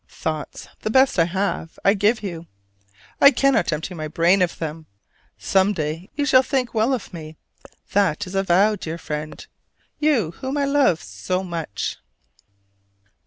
Thoughts, the best I have, I give you: I cannot empty my brain of them. Some day you shall think well of me. That is a vow, dear friend, you whom I love so much!